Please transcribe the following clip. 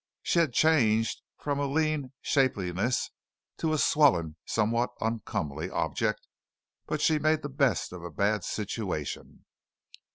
She had changed from a lean shapeliness to a swollen, somewhat uncomely object, but she made the best of a bad situation.